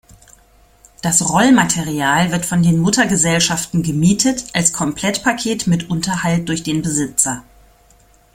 Das Rollmaterial wird von den Muttergesellschaften gemietet, als Komplettpaket mit Unterhalt durch den Besitzer.